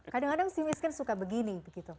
kadang kadang si miskin suka begini